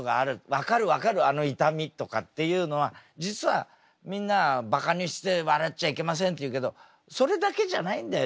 分かる分かるあの痛みとかっていうのは実はみんなはバカにして笑っちゃいけませんって言うけどそれだけじゃないんだよね